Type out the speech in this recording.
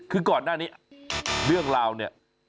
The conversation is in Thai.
คือก่อนหน้านี้เรื่องราวเนี่ย